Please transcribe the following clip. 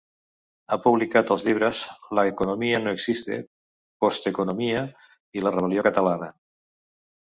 Ha publicat els llibres ‘La economia no existe’, ‘Posteconomia’ i ‘La rebel·lió catalana’.